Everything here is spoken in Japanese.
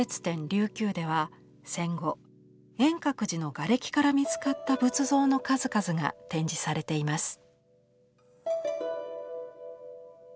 琉球では戦後円覚寺のがれきから見つかった仏像の数々が展示されています。